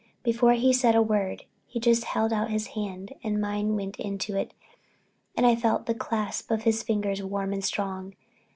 Before he said a word he just held out his hand and mine went into it and I felt the clasp of his fingers warm and strong.